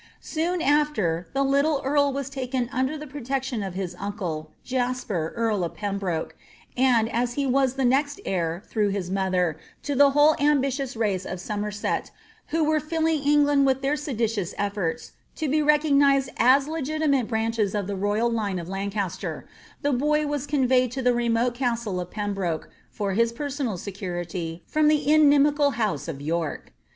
Soon after, the little earl was taken under the protection of his uncle, Jasper earl of Pembroke; and as he was the next heir, through his mother, to the whole ambitious race of Somerset, who were filling Eoffland with their seditious effiNrts to be recognised as legitimate branches of die royal line of Lancaster, the boy was conveyed to the remote castle of Pern brc^e, for his personal security from tne inimical house of York.